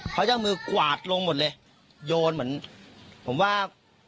เขาจะเอามือกวาดลงหมดเลยโยนเหมือนผมว่า